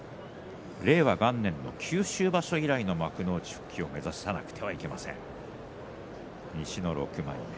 令和元年の九州場所以来の幕内復帰を目指さなければいけません、西の６枚目。